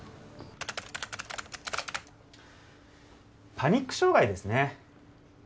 パニック障害ですね。